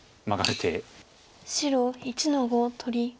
白１の五取り。